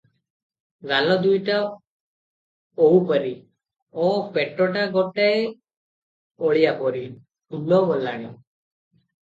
ଗାଲ ଦୁଇଟା ଓଆଉପରି ଓ ପେଟଟା ଗୋଟାଏ ଓଳିଆପରି ଫୁଲଗଲାଣି ।